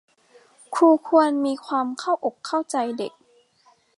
ครูควรมีความเข้าอกเข้าใจเด็ก